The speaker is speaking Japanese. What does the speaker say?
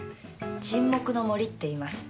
『沈黙の森』っていいます。